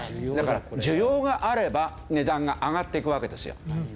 だから需要があれば値段が上がっていくわけですよ。